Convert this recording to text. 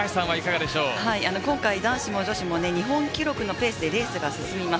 今回、男子も女子も日本記録のペースでレースが進みます。